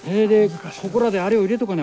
ここらであれを入れとかにゃ